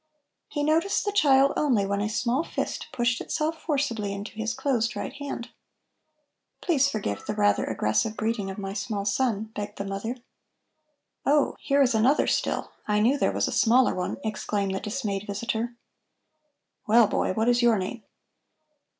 He noticed the child only when a small fist pushed itself forcibly into his closed right hand. "Please forgive the rather aggressive greeting of my small son," begged the mother. "Oh, here is another, still. I knew there was a smaller one," exclaimed the dismayed visitor. "Well, boy, what is your name?"